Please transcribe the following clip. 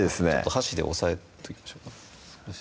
箸で押さえときましょうか？